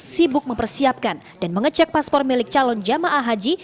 sibuk mempersiapkan dan mengecek paspor milik calon jamaah haji